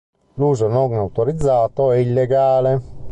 L'uso non autorizzato è illegale.